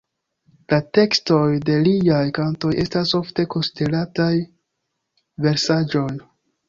La tekstoj de liaj kantoj estas ofte konsiderataj versaĵoj.